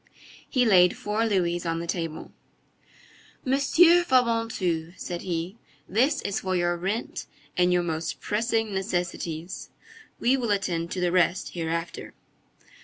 He laid four louis on the table. "Monsieur Fabantou," said he, "this is for your rent and your most pressing necessities. We will attend to the rest hereafter."